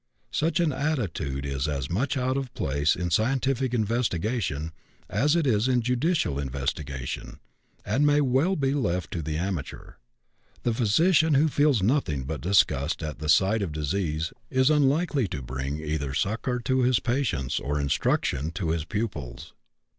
Such an attitude is as much out of place in scientific investigation as it is in judicial investigation, and may well be left to the amateur. The physician who feels nothing but disgust at the sight of disease is unlikely to bring either succor to his patients or instruction to his pupils.